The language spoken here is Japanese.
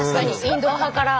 インドア派から。